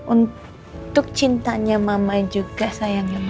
untuk cintanya mama juga sayangnya